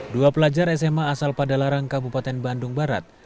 dua pelajar sma asal padalarang kabupaten bandung barat